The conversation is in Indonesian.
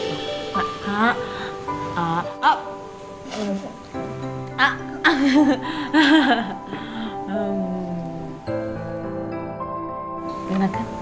enak kan mantep